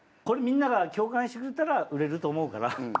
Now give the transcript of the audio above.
これみんなが共感してくれたら売れると思うから。